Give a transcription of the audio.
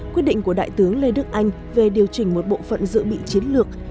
quyết định của đại tướng lê đức anh về điều chỉnh một bộ phận dự bị chiến lược